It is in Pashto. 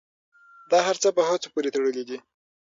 دا هر څه په هڅو پورې تړلي دي.